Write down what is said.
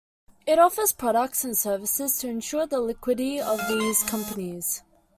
It offers products and services to ensure the liquidity of these companies.